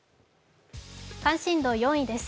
関心度４位です。